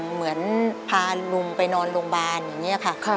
เหมือนพาลุงไปนอนโรงพยาบาลอย่างนี้ค่ะ